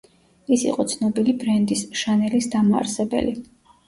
ის იყო ცნობილი ბრენდის, შანელის დამაარსებელი.